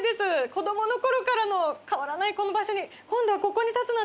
子供の頃から変わらないこの場所今度はここに立つなんて。